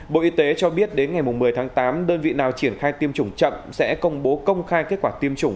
bộ y tế cho biết đến ngày một mươi tháng tám đơn vị nào triển khai tiêm chủng chậm sẽ công bố công khai kết quả tiêm chủng